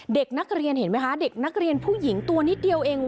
เด็กนักเรียนเห็นไหมคะเด็กนักเรียนผู้หญิงตัวนิดเดียวเอง